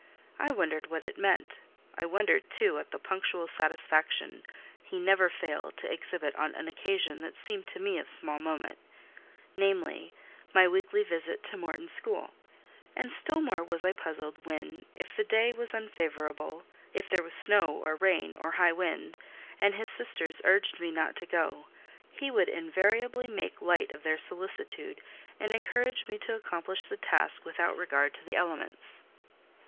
I wondered what it meant: I wondered, too, at the punctual satisfaction he never failed to exhibit on an occasion that seemed to me of small moment, namely, my weekly visit to Morton school; and still more was I puzzled when, if the day was unfavourable, if there was snow, or rain, or high wind, and his sisters urged me not to go, he would invariably make light of their solicitude, and encourage me to accomplish the task without regard to the elements.